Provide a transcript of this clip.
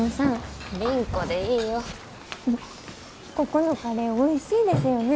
ここのカレーおいしいですよね。